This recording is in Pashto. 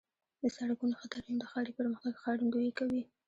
د سړکونو ښه ترمیم د ښاري پرمختګ ښکارندویي کوي.